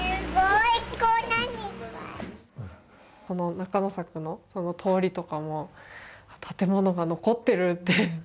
この中之作の通りとかも建物が残ってるって。